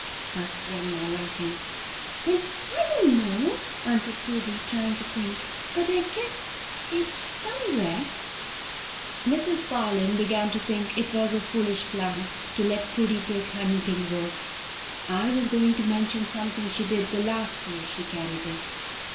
asked grandma, laughing. "Well, I don't know," answered Prudy, trying to think; "but I guess it's somewhere." Mrs. Parlin began to think it was a foolish plan to let Prudy take her knitting work. I was going to mention something she did the last day she carried it.